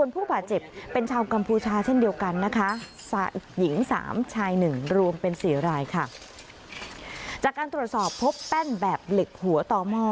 พบแป้นแบบเหล็กหัวต่อหม้อ